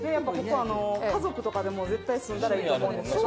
家族とかでも絶対住んだらいいと思う。